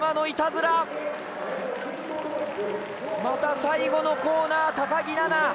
また最後のコーナー高木菜那。